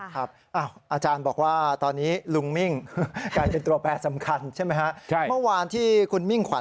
ครับอาจารย์บอกว่าตอนนี้ลุงมิ่งกลายเป็นตัวแปรสำคัญใช่ไหมฮะ